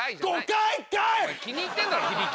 気に入ってんだろ響き。